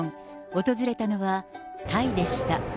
訪れたのはタイでした。